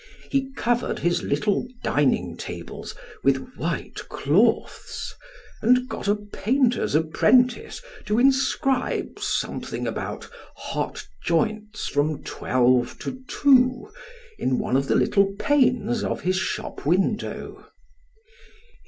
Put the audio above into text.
He covered his little dining tables with white cloths, and got a painter's apprentice to inscribe something about hot joints from twelve to two, in one of the little panes of his shop window.